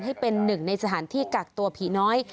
ให้เป็นหนึ่งในสถานที่กักตัวผีน้อย